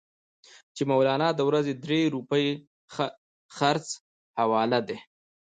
چې مولنا ته د ورځې درې روپۍ خرڅ حواله دي.